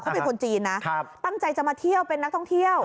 เขาเป็นคนจีนนะตั้งใจจะมาเที่ยวเป็นนักท่องเที่ยว